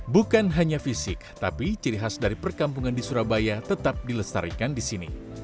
bukan hanya fisik tapi ciri khas dari perkampungan di surabaya tetap dilestarikan di sini